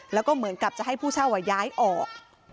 แล้วก็เหมือนกับจะให้ผู้เช่าย้ายออก